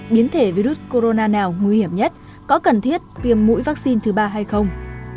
biến thể virus corona nào nguy hiểm nhất có cần thiết tiêm mũi vaccine thứ ba hay không